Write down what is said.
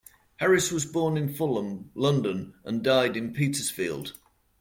Harris was born in Fulham, London and died in Petersfield.